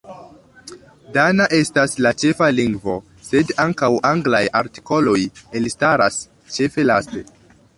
Dana estas la ĉefa lingvo, sed ankaŭ anglaj artikoloj elstaras ĉefe laste.